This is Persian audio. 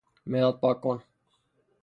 مداد پاک کن